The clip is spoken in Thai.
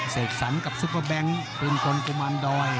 เสกสรรกับซุปเปอร์แบงค์ปืนกลกุมารดอย